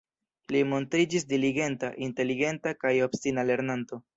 Li montriĝis diligenta, inteligenta kaj obstina lernanto.